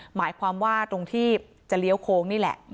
หมายความว่าตรงที่จะเลี้ยวโค้งนี่แหละ